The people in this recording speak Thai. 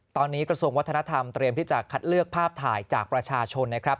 ตอนนี้กระทรวงวัฒนธรรมเตรียมที่จะคัดเลือกภาพถ่ายจากประชาชนนะครับ